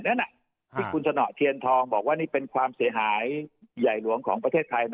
นั้นที่คุณสนเทียนทองบอกว่านี่เป็นความเสียหายใหญ่หลวงของประเทศไทย